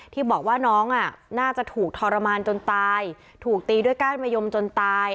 ที่บอกว่าน้องน่าจะถูกทรมานจนตายถูกตีด้วยก้านมะยมจนตาย